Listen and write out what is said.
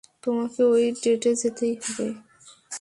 তোমাকে ওই ডেটে যেতেই হবে।